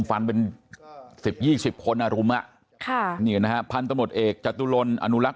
ฟันเป็น๑๐๒๐คนอรุมนี่นะครับพันธุ์ตำรวจเอกจตุลอนุรักษ์